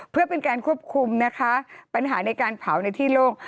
เพื่อเป็นการควบคุมนะคะปัญหาในการเผาในที่โล่ง